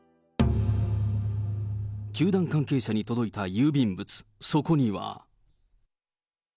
球団関係者に届いた郵便物、そこには。